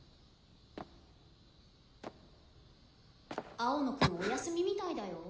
青野くんお休みみたいだよ。